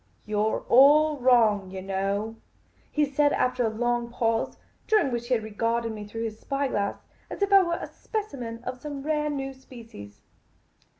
" You 're all wrong, yah know," he said, after a long pause, during which he had regarded me through his eye glass as if I were a specimen of some rare new species.